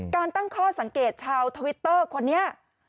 ตั้งข้อสังเกตชาวทวิตเตอร์คนนี้